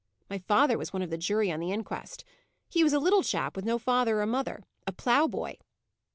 My father was one of the jury on the inquest. He was a little chap with no father or mother a plough boy."